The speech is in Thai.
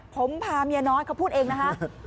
ผมพาเมียน้อยเขาพูดเองนะคะ